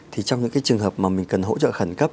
thì trong những cái trường hợp mà mình cần hỗ trợ khẩn cấp